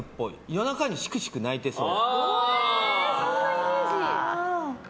夜中にシクシク泣いてそう。